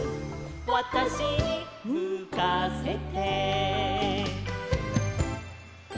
「わたしにむかせて」